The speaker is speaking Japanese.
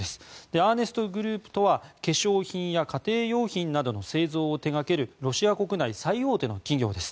アーネスト・グループとは化粧品や家庭用品などの製造を手掛けるロシア国内の最大手の企業です。